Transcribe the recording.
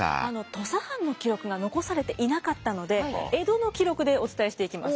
土佐藩の記録が残されていなかったので江戸の記録でお伝えしていきます。